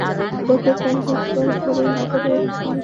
গতকাল রোববার ভোরে নগরের হালিশহর এলাকা থেকে তাঁদের গ্রেপ্তার করে পুলিশ।